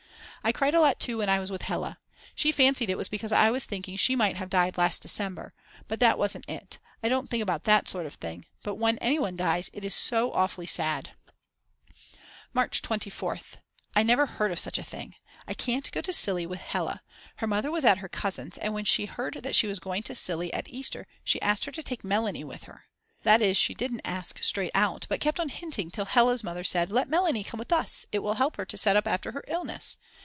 I cried a lot too when I was with Hella. She fancied it was because I was thinking she might have died last Dec. But that wasn't it, I don't think about that sort of thing. But when anyone dies it is so awfully sad. March 24th. I never heard of such a thing. I can't go to Cilli with Hella. Her mother was at her cousin's, and when she heard that she was going to Cilli at Easter she asked her to take Melanie with her. That is, she didn't ask straight out, but kept on hinting until Hella's mother said: Let Melanie come with us, it will help to set her up after her illness.